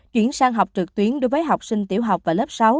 chuyển sang học trực tuyến đối với học sinh tiểu học và lớp sáu